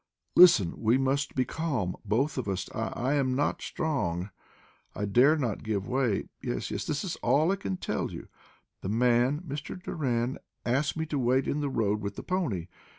"Listen! We must be calm both of us. I I am not strong; I dare not give way. Yes, yes; this is all I can tell you. The man, Mr. Doran, asked me to wait in the road with the pony.